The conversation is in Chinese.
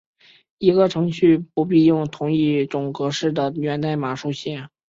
一个程序不必用同一种格式的源代码书写。